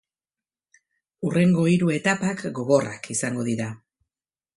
Hurrengo hiru etapak gogorrak izango dira.